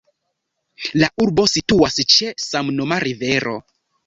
La urbo situas ĉe samnoma rivero.